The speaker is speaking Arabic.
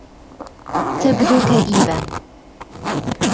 تبدو كئيبا